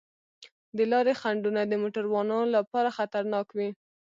د لارې خنډونه د موټروانو لپاره خطرناک وي.